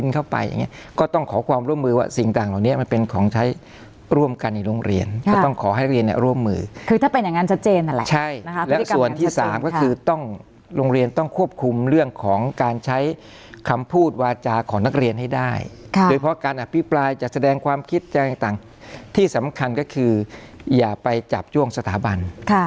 ขอความร่วมมือว่าสิ่งต่างเหล่านี้มันเป็นของใช้ร่วมกันในโรงเรียนจะต้องขอให้เรียนร่วมมือคือถ้าเป็นอย่างงั้นชะเจนใช่แล้วส่วนที่สามก็คือต้องโรงเรียนต้องควบคุมเรื่องของการใช้คำพูดวาจาของนักเรียนให้ได้โดยเพราะการอภิปรายจะแสดงความคิดจะต่างที่สำคัญก็คืออย่าไปจับจ้องสถาบัน